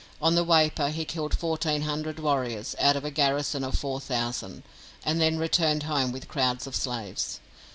On the Waipa he killed fourteen hundred warriors out of a garrison of four thousand, and then returned home with crowds of slaves.